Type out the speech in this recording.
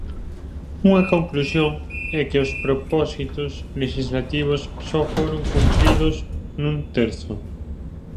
Unha conclusión é que os propósitos lexislativos só foron cumpridos nun terzo.